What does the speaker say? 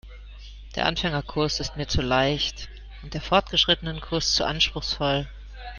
Der Anfängerkurs ist mir zu leicht und der Fortgeschrittenenkurs zu anspruchsvoll.